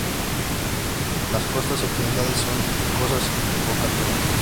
Las costas occidentales son rocosas y de poca altura.